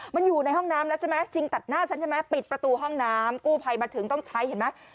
มันอยู่ในห้องน้ำแล้วใช่ไหมชิงตัดหน้าฉันใช่ไหมปิดประตูห้องน้ำกู้ภัยมาถึงต้องใช้เห็นไหม